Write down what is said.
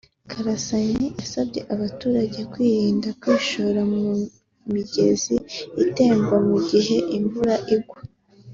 Karasanyi yasabye abaturage kwirinda kwishora mu migezi itemba mu gihe imvura igwa